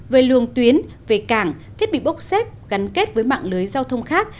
về luồng tuyến về cảng thiết bị bốc xếp gắn kết với mạng lưới giao thông khác